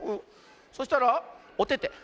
そしたらおてて。